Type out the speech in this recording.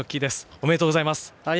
おめでとうございます。